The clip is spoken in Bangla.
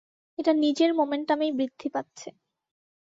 এটা নিজের মোমেন্টামেই বৃদ্ধি পাচ্ছে।